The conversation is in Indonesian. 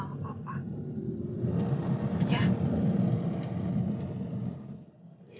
itu yang setiap orang tua